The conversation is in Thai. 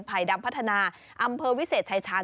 ดำพัฒนาอำเภอวิเศษชายชาญ